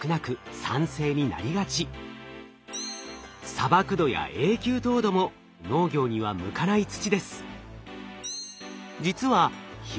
砂漠土や永久凍土も農業には向かない土です。